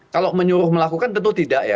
kalau menyuruh melakukan tentu tidak ya